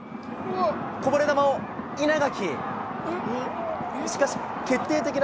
こぼれ球を、稲垣！